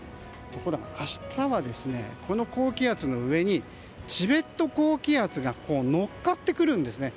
ところが明日はこの高気圧の上にチベット高気圧が乗っかってくるんですね。